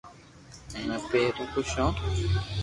ھين اپي ھمي خوس ھون